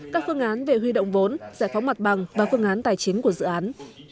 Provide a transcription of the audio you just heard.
các phương án về huy động vốn giải phóng mặt bằng và phương án tài chính của dự án